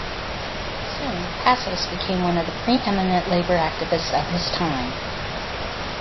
Soon Passos became one of the preeminent labor activists of his time.